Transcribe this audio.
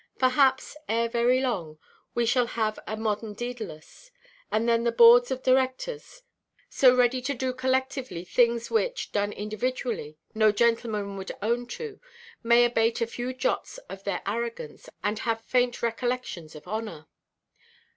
Perhaps, ere very long, we shall have a modern Dædalus; and then the boards of directors, so ready to do collectively things which, done individually, no gentleman would own to, may abate a few jots of their arrogance, and have faint recollections of honour.